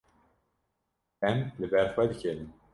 Em li ber xwe dikevin.